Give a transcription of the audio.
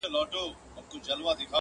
جهاني زه هم لکه شمع سوځېدل مي زده دي،